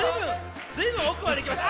ずいぶんおくまでいきました。